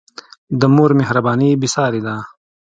د مور مهرباني بېساری ده.